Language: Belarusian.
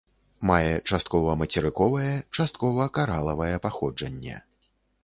Мае часткова мацерыковае, часткова каралавае паходжанне.